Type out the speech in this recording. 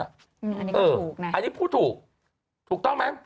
อันนี้พูดถูกนะครับเอออันนี้พูดถูกถูกต้องไหม